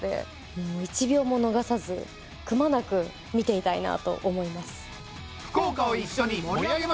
もう１秒も逃さずくまなく見ていたいなと思います。